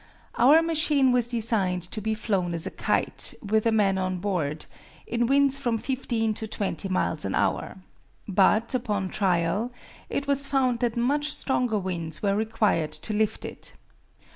Our machine was designed to be flown as a kite, with a man on board, in winds from 15 to 20 miles an hour. But, upon trial, it was found that much stronger winds were required to lift it.